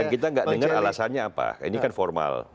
kita nggak dengar alasannya apa ini kan formal